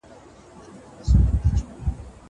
زه پرون درسونه لوستل کوم.